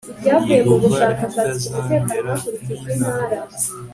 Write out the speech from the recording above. Yehova ritazamera nk intama